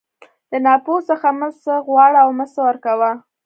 د ناپوه څخه مه څه غواړه او مه څه ورکوه.